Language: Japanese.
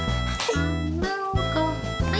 はい。